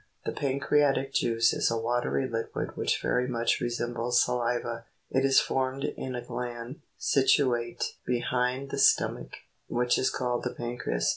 The pancreatic juice is a watery liquid which very much resembles saliva; it is formed in a gland, situate behind the stomach, which is called pancreas.